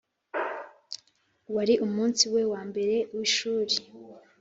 wari umunsi we wa mbere w'ishuri.